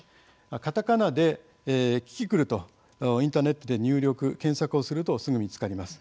カタカナで、キキクルとインターネットで入力検索をするとすぐ見つかります。